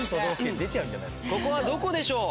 ここはどこでしょう？